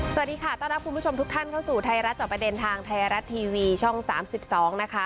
สวัสดีค่ะต้อนรับคุณผู้ชมทุกท่านเข้าสู่ไทยรัฐจอบประเด็นทางไทยรัฐทีวีช่อง๓๒นะคะ